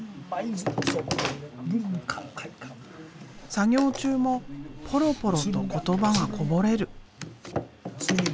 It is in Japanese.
作業中もポロポロと言葉がこぼれる。